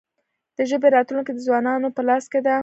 د ژبې راتلونکې د ځوانانو په لاس کې ده.